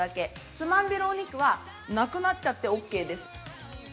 つまんでるお肉はなくなっちゃってオッケーです。